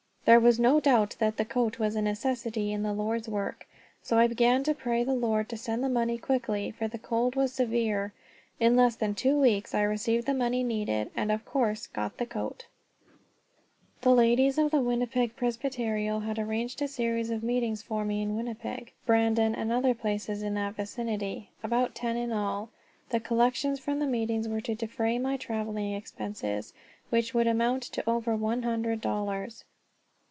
There was no doubt that the coat was a necessity in the Lord's work. So I began to pray the Lord to send the money quickly, for the cold was severe. In less than two weeks I received the money needed, and of course got the coat. The ladies of the Winnipeg Presbyterial had arranged a series of meetings for me in Winnipeg, Brandon, and other places in that vicinity, about ten in all. The collections from the meetings were to defray my traveling expenses, which would amount to over one hundred dollars.